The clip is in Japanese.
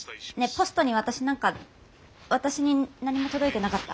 ポストに私何か私に何も届いてなかった？